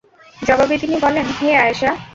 জবাবে তিনি বলেন, হে আয়েশা!